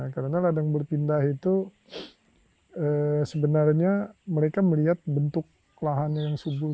karena ladang bertindah itu sebenarnya mereka melihat bentuk lahan yang subur